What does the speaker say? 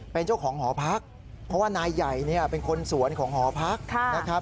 เป็นเจ้าของหอพักเพราะว่านายใหญ่เนี่ยเป็นคนสวนของหอพักนะครับ